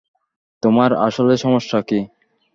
তোমার আসলে সমস্যা কী?